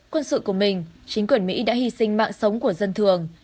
quân sự của mình chính quyền mỹ đã hy sinh mạng sống của dân thường